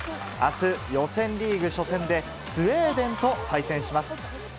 あす、予選リーグ初戦で、スウェーデンと対戦します。